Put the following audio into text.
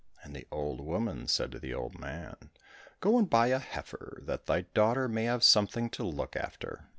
And the old woman said to the old man, " Go and buy a heifer, that thy daughter may have something to look after